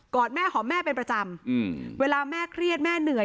อดแม่หอมแม่เป็นประจำเวลาแม่เครียดแม่เหนื่อย